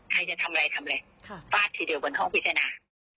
ใครจะทำอะไรทำอะไรฟาดทีเดียวบนห้องพิจารณา